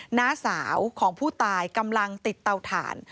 หน้าสาวของผู้ตายกำลังติดเตาถ่าน